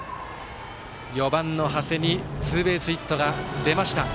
４番の長谷にツーベースヒットが出ました。